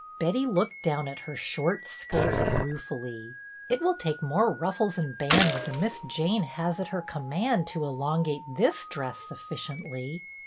Betty looked down at her short skirt rue fully. " It will take more ruffles and bands than Miss Jane has at her command to elongate this dress sufficiently."